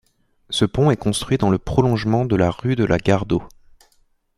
Ce pont est construit dans le prolongement de la rue de la Gare d’Eau.